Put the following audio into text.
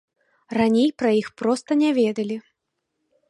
Раней пра іх проста не ведалі.